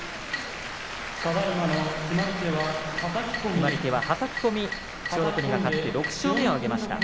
決まり手ははたき込み千代の国が勝って６勝目を挙げました。